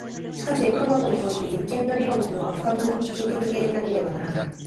しかし科学においては実験と理論とは不可分離的でなければならない。